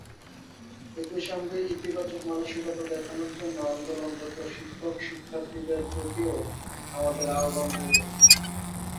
একই সঙ্গে ইতিবাচক মানসিকতা দেখানোর জন্য আন্দোলনরত শিক্ষক–শিক্ষার্থীদের প্রতিও আমাদের আহ্বান রইল।